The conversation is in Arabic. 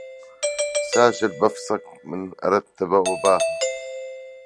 ساجل بفصك من أردت وباهه